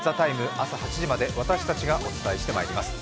朝８時まで私たちがお伝えしてまいります。